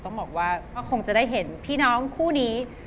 ต้องบอกว่าก็คงจะได้เห็นพี่น้องคู่นี้